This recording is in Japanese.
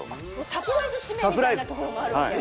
サプライズ指名みたいなところもあるわけ。